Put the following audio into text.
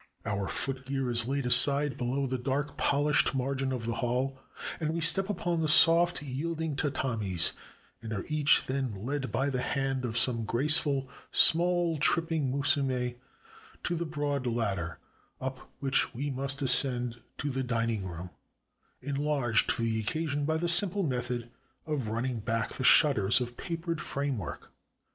Our footgear is laid aside below the dark polished margin of the hall, and we step upon the soft yielding tatamis, and are each then led by the hand of some graceful, small tripping musume to the broad ladder, up which we must ascend to the dining room, enlarged for the occasion by the simple method of running back the shutters of pa pered framework.